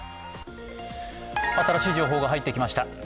新しい情報が入ってきました。